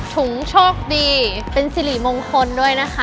ถุงโชคดีเป็นสิริมงคลด้วยนะคะ